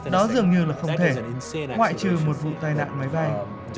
đó dường như là không thể ngoại trừ một vụ tai nạn máy bay